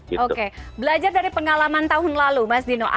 oke belajar dari pengalaman tahun lalu mas dino